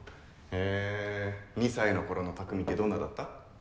へぇ２歳の頃の匠ってどんなだった？